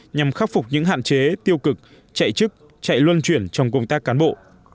nhằm khắc phục những hạn chế tiêu cực chạy chức chạy luân chuyển trong công tác cán bộ